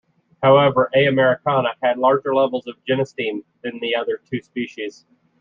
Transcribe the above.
However, "A. americana" had larger levels of genistein than the other two species.